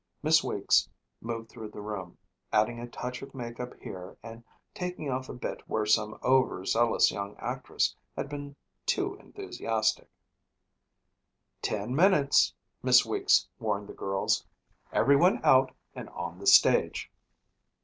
Miss Weeks moved through the room, adding a touch of makeup here and taking off a bit where some over zealous young actress had been too enthusiastic. "Ten minutes," Miss Weeks warned the girls. "Everyone out and on the stage."